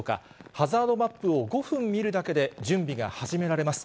ハザードマップを５分見るだけで、準備が始められます。